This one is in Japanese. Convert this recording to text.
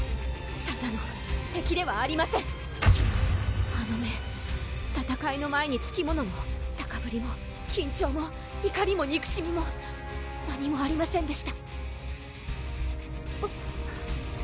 ただの敵ではありませんあの目戦いの前につきものの高ぶりも緊張もいかりもにくしみも何もありませんでした